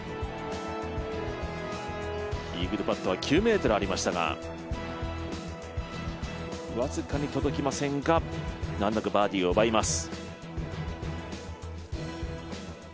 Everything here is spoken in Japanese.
イーグルパットは９ｍありましたが、僅かに届きませんが難なくバーディーを奪います。